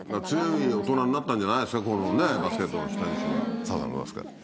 強い大人になったんじゃないですか